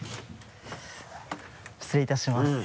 失礼いたします。